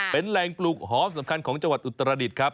เป็นแหล่งปลูกหอมสำคัญของจังหวัดอุตรดิษฐ์ครับ